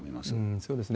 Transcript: そうですね。